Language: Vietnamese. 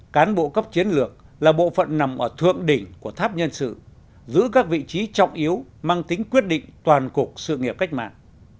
cán bộ cấp chiến lược là bộ phận nằm ở thượng đỉnh của tháp nhân sự giữ các vị trí trọng yếu mang tính quyết định toàn cục sự nghiệp cách mạng